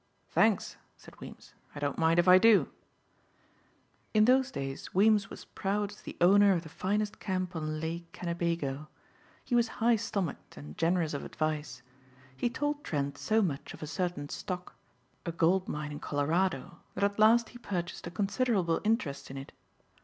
"Thanks," said Weems, "I don't mind if I do." In those days Weems was proud as the owner of the finest camp on Lake Kennebago. He was high stomached and generous of advice. He told Trent so much of a certain stock a gold mine in Colorado that at last he purchased a considerable interest in it.